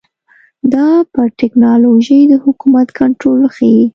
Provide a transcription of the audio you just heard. دا پر ټکنالوژۍ د حکومت کنټرول ښيي.